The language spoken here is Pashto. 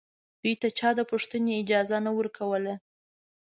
دوی ته چا د پوښتنې اجازه نه ورکوله